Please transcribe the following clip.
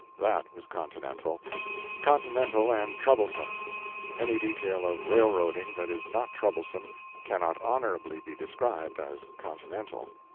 That was continental. Continental and troublesome. Any detail of railroading that is not troublesome cannot honorably be described as continental.